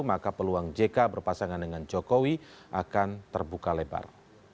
maka peluang jk berpasangan dengan jokowi akan terbuka lebar